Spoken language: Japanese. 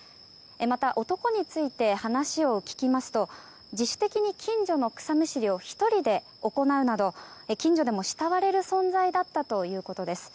また、男について話を聞きますと自主的に近所の草むしりを１人で行うなど近所でも慕われる存在だったということです。